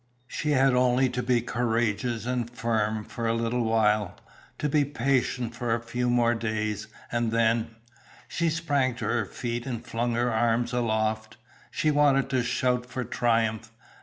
She had only to be courageous and firm for a little while. To be patient for a few more days, and then She sprang to her feet and flung her arms aloft. She wanted to shout for triumph.